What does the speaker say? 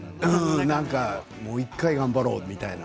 もう１回頑張ろうみたいな。